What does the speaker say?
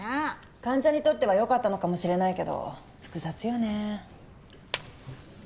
患者にとってはよかったのかもしれないけど複雑よね